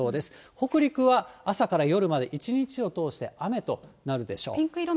北陸は朝から夜まで一日を通して雨となるでしょう。